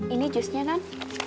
ini jusnya nan